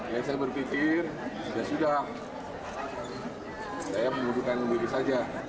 yang saya berpikir ya sudah saya mengundurkan diri saja